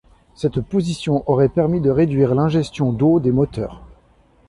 Cette position aurait permis de réduire l'ingestion d'eau des moteurs.